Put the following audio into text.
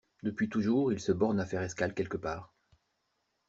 Depuis toujours, il se borne à faire escale quelque part.